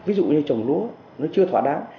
ví dụ như trồng lúa nó chưa thỏa đáng